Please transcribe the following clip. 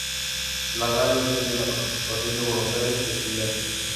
La radio recibe la participación de voluntarios y estudiantes.